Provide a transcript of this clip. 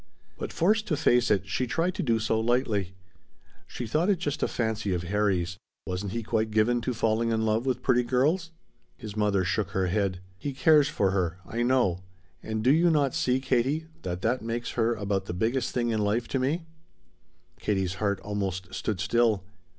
But forced to face it, she tried to do so lightly. She thought it just a fancy of Harry's. Wasn't he quite given to falling in love with pretty girls? His mother shook her head. "He cares for her. I know. And do you not see, Katie, that that makes her about the biggest thing in life to me?" Katie's heart almost stood still.